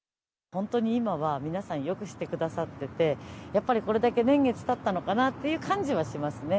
本当に今は皆さんよくしてくださっててやっぱりこれだけ年月たったのかなという感じはしますね。